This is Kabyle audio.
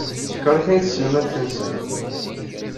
Teckeṛ-iten-id tselmadt-nsen.